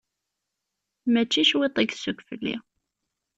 Mačči cwiṭ i yessukk fell-i.